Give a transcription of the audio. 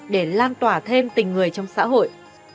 để lan tỏa thêm tình người trong xã hội